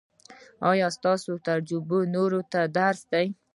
ایا ستاسو تجربه نورو ته درس دی؟